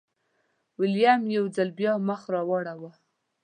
ویلیم یو ځل بیا مخ راواړوه.